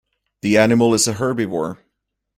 The animal is a herbivore.